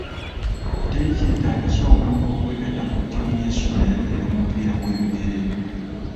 Teri kyetaagisa omuntu okwegatta ku ttiimu y'essomero ey'omupiira gw'ebigere.